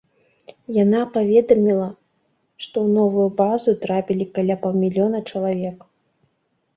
Яна паведамілі, што ў новую базу трапілі каля паўмільёна чалавек.